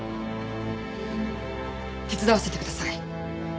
手伝わせてください。